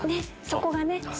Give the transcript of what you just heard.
そこがね。